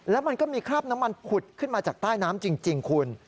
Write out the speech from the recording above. แล้วมันก็มีคราบน้ำมันผุดขึ้นมาจากใต้น้ำจริงคุณ